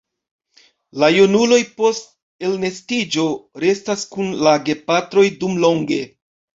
La junuloj post elnestiĝo restas kun la gepatroj dumlonge.